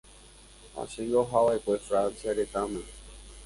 Ha chéngo ahava'ekue Francia retãme.